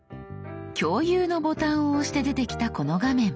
共有のボタンを押して出てきたこの画面。